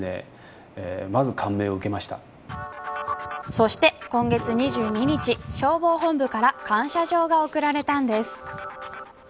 そして、今月２２日消防本部から感謝状が贈られたんです。